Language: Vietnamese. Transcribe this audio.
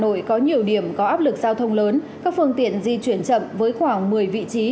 hà nội có nhiều điểm có áp lực giao thông lớn các phương tiện di chuyển chậm với khoảng một mươi vị trí